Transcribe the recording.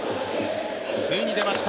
ついに出ました